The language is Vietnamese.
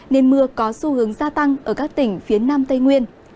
nên mưa có xu hướng gia tăng ở các tỉnh phía nam tây nguyên